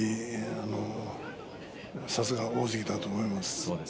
さすが大関だと思います。